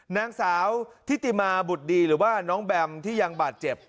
นางสาวทิติมาบุตรดีหรือว่าน้องแบมที่ยังบาดเจ็บ